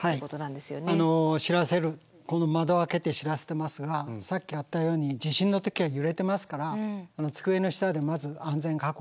窓を開けて知らせてますがさっきあったように地震の時は揺れてますから机の下でまず安全確保。